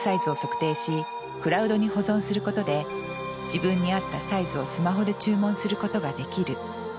自分に合ったサイズをスマホで注文することができる。